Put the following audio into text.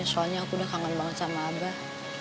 soalnya aku udah kangen banget sama abah